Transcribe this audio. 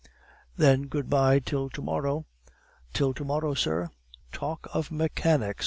"Then good bye till to morrow." "Till to morrow, sir." "Talk of mechanics!"